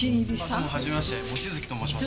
どうも初めまして望月と申します。